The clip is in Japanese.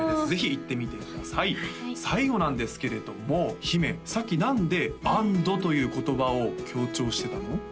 ぜひ行ってみてください最後なんですけれども姫さっき何で「安堵」という言葉を強調してたの？